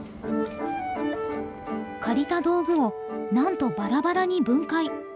借りた道具をなんとバラバラに分解！